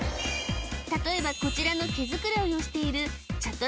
例えばこちらの毛づくろいをしている茶